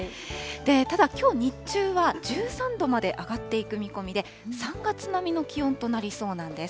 ただ、きょう日中は１３度まで上がっていく見込みで、３月並みの気温となりそうなんです。